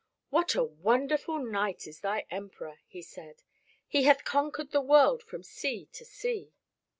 "What a wonderful knight is thy Emperor," he said. "He hath conquered the world from sea to sea.